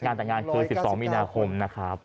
งานแต่งงานคือ๑๒มีนาคมนะครับ